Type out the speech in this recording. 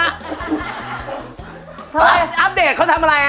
อัปเดตเขาทำอะไร